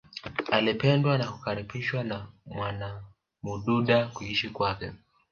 Alipendwa na kukaribishwa na Mwamududa kuishi kwake